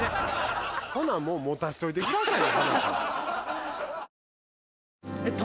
ほなもう持たせといてくださいよ。